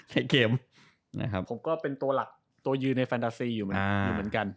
ในเกมผมก็เป็นตัวหลักตัวยืนในแฟนตาซีอยู่เหมือนกัน